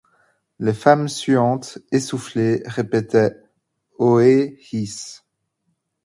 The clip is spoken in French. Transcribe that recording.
Les femmes, suantes, essoufflées, répétaient: — Ohé hisse!...